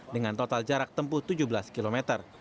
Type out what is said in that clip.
dengan total jarak tempuh tujuh belas km